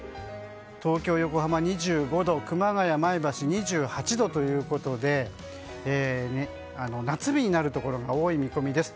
東京、横浜は２５度熊谷、前橋は２８度ということで夏日になるところが多い見込みです。